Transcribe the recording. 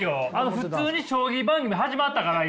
普通に将棋番組始まったから今。